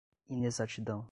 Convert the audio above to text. inexatidão